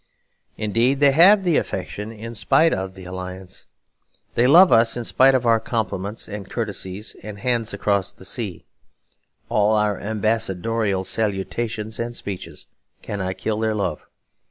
Indeed, they have the affection in spite of the alliance. They love us in spite of our compliments and courtesies and hands across the sea; all our ambassadorial salutations and speeches cannot kill their love.